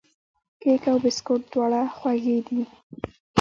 کیک او بسکوټ دواړه خوږې دي.